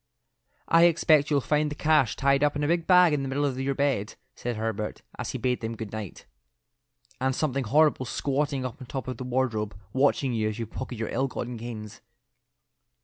"I expect you'll find the cash tied up in a big bag in the middle of your bed," said Herbert, as he bade them good night, "and something horrible squatting up on top of the wardrobe watching you as you pocket your ill gotten gains."